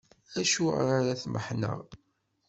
Acuɣer ara tmeḥḥneɣ?